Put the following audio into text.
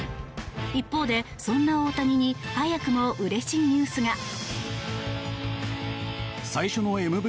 一方でそんな大谷に早くもうれしいニュースが。